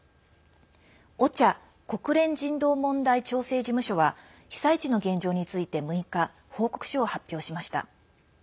ＯＣＨＡ＝国連人道問題調整事務所は被災地の現状について６日、報告書を発表しました。